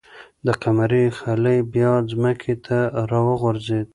د قمرۍ خلی بیا ځمکې ته راوغورځېد.